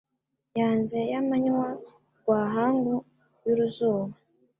Yanze ya manywa rwahangu yuruzuba